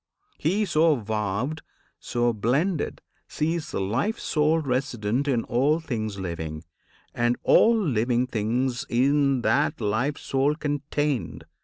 He so vowed, So blended, sees the Life Soul resident In all things living, and all living things In that Life Soul contained.